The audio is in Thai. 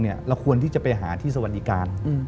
เราควรที่จะไปหาที่สวัสดิการ